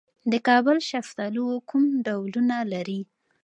د کابل شفتالو کوم ډولونه لري؟